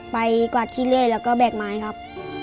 ไปกว่าที่เรื่อยแล้วก็แบกหมายครับ